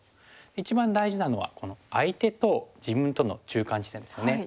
一番大事なのはこの相手と自分との中間地点ですよね。